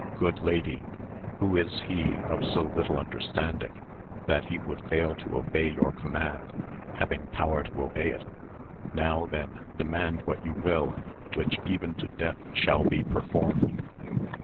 Good lady, who is he of so little understanding that he would fail to obey your com mand, having power to obey it] Now then demand what you will, which even to death shall be performed.